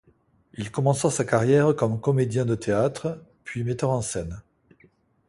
Il commença sa carrière comme comédien de théâtre, puis metteur en scène.